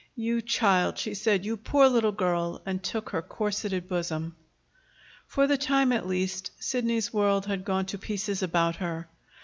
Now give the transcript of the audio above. "You child!" she said. "You poor little girl!" And took her corseted bosom. For the time at least, Sidney's world had gone to pieces about her.